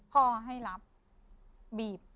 พ่อให้รับบีบ